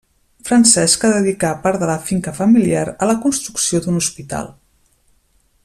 Francesca dedicà part de la finca familiar a la construcció d'un hospital.